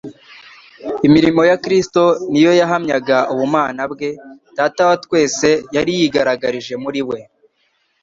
Imirimo ya Kristo ni yo yahamyaga ubumana bwe. Data wa twese yari yigaragarije muri we.